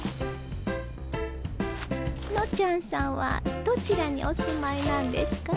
のちゃんさんはどちらにお住まいなんですか？